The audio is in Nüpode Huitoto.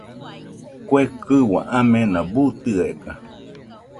Kue kɨua amena buu tɨeka.